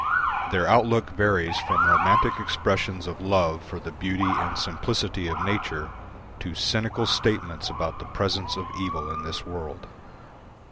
Their outlook varies from Romantic expressions of love for the beauty and simplicity of nature to cynical statements about the presence of evil in this world.